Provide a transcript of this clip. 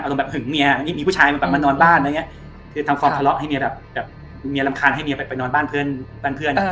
อารมณ์แบบเหิงเมียมีผู้ชายมานอนบ้านทำฟอร์มทะเลาะให้เมียแบบ